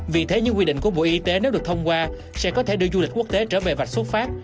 vì thế những quy định của bộ y tế nếu được thông qua sẽ có thể đưa du lịch quốc tế trở về vạch xuất phát